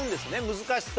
難しさで。